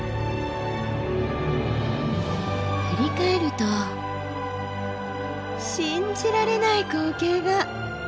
振り返ると信じられない光景が！